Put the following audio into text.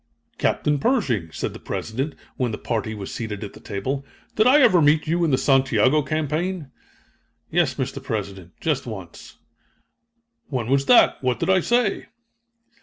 "Captain Pershing," said the President, when the party was seated at the table, "did I ever meet you in the Santiago campaign?" "Yes, Mr. President, just once." "When was that? What did I say?"